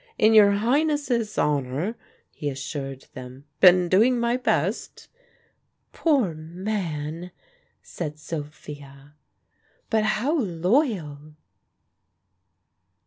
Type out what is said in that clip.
"In your Highnesses' honour," he assured them: "'been doing my best." "Poor man!" said Sophia. "But how loyal!"